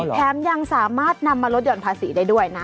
แถมยังสามารถนำมาลดห่อนภาษีได้ด้วยนะ